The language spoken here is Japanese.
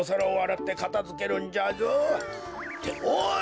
っておい！